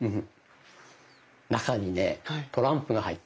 中にねトランプが入ってるんだよ。